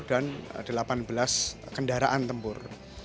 dan delapan belas kendaraan tempur